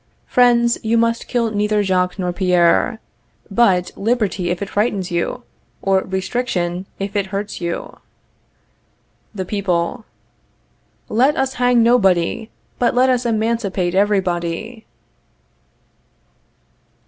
Friends, you must kill neither Jacques nor Pierre, but liberty if it frightens you, or restriction if it hurts you. The People. Let us hang nobody, but let us emancipate everybody.